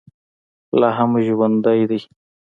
لا هم ژوندی دی.